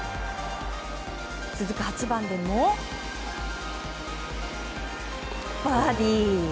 続く８番でもバーディー。